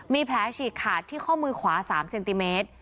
มีแผลฉีกขาดที่ข้อมือขวา๓เซนติเมตร